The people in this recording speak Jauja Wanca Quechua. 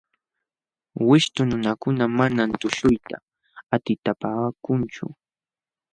Wishtu nunakuna manam tuśhuyta atipapaakunchu.